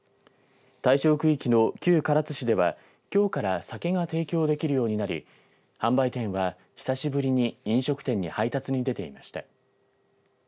対象区域の旧唐津市ではきょうから酒が提供できるようになり販売店は久しぶりに飲食店に配達に出ていました。